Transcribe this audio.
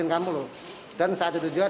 saya melihatnya selalu berburu